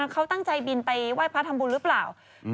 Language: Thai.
เขาตั้งใจบินไปไหว้พระทำบุญหรือเปล่า